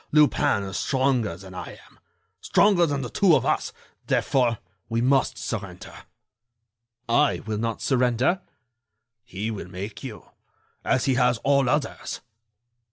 Lupin is stronger than I am—stronger than the two of us; therefore, we must surrender." "I will not surrender." "He will make you, as he has all others."